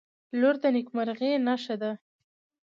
• لور د نیکمرغۍ نښه ده.